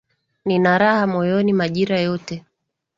Nina raha moyoni majira yote,